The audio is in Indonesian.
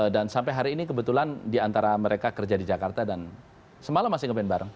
dan sampai hari ini kebetulan diantara mereka kerja di jakarta dan semalam masih ngeband bareng